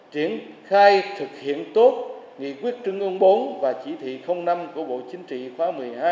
triển khai thực hiện tốt nghị quyết trung ương bốn và chỉ thị năm của bộ chính trị khóa một mươi hai